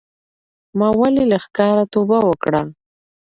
ما ولې له ښکاره توبه وکړه